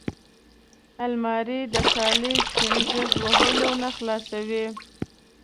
الماري د کالي چینګ وهلو نه خلاصوي